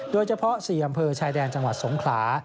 โดยเฉพาะ๔อำเภอชายแดนจังหวัดสงขลา